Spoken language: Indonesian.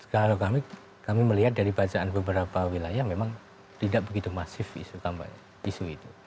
kalau kami melihat dari bacaan beberapa wilayah memang tidak begitu masif isu itu